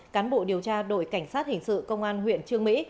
cán bộ điều tra đội cảnh sát hình sự công an huyện trương mỹ